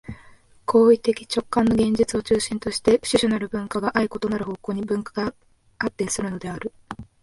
行為的直観の現実を中心として種々なる文化が相異なる方向に分化発展するのである。